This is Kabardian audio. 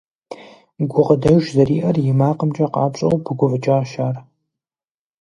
Гукъыдэж зэриӀэр и макъымкӀэ къапщӀэу пыгуфӀыкӀащ ар.